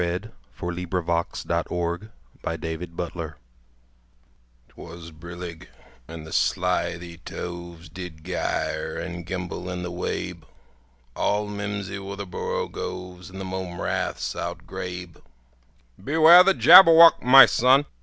A NONSENSE ANTHOLOGY JABBERWOCKY 'Twas brillig, and the slithy toves Did gyre and gimble in the wabe; All mimsy were the borogoves, And the mome raths outgrabe. "Beware the Jabberwock, my son!